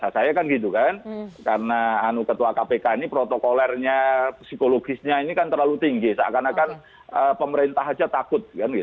sidang etik digelar atas tindak lanjut dari